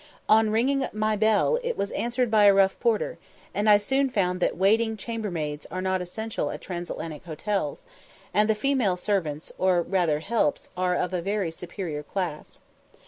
On ringing my bell, it was answered by a rough porter, and I soon found that waiting chambermaids are not essential at Transatlantic hotels; and the female servants, or rather helps, are of a very superior class.